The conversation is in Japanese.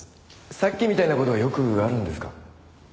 さっきみたいな事はよくあるんですか？